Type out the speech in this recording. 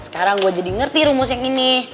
sekarang gue jadi ngerti rumus yang ini